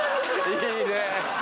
いいね。